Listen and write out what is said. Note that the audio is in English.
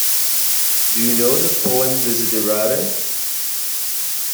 Do you know the poem Desiderata?